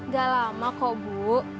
gak lama kok bu